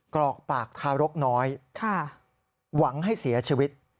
กรอกปากทารกน้อยหวังให้เสียชีวิต